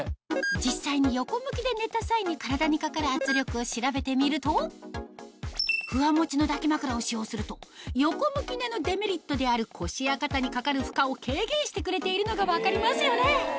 実際に横向きで寝た際に体にかかる圧力を調べてみるとふわもちの抱き枕を使用すると横向き寝のデメリットである腰や肩にかかる負荷を軽減してくれているのが分かりますよね